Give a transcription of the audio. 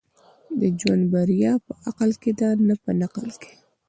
د ژوند بريا په عقل کي ده، نه په نقل کي.